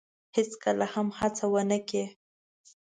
هیڅکله هم هڅه ونه کړی